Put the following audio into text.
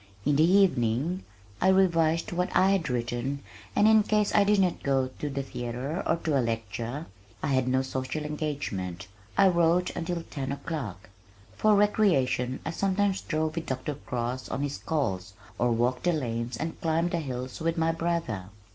In the evening I revised what I had written and in case I did not go to the theater or to a lecture (I had no social engagements) I wrote until ten o'clock. For recreation I sometimes drove with Dr. Cross on his calls or walked the lanes and climbed the hills with my brother.